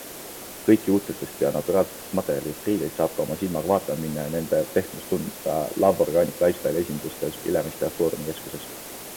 Kõiki uudsetest ja naturaalsetest materjalidest riideid saab ka oma silmaga vaatama minna ja nende pehmust tunda LAV ORGANIC LIFESTYLE esindustes Ülemiste ja Foorumi keskuses.